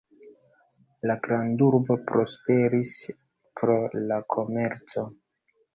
La grandurbo prosperis pro la komerco.